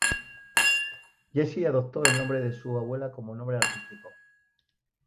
Jessie adoptó el nombre de su abuela como nombre artístico.